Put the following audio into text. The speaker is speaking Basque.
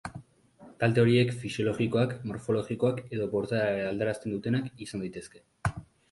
Kalte horiek fisiologikoak, morfologikoak edo portaera aldarazten dutenak izan daitezke.